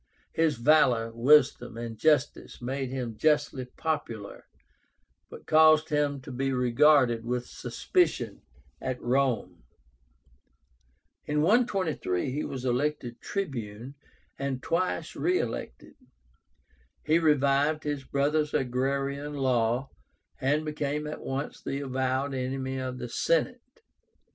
His valor, wisdom, and justice made him justly popular, but caused him to be regarded with suspicion at Rome. In 123 he was elected Tribune, and twice re elected. He revived his brother's agrarian law, and became at once the avowed enemy of the Senate.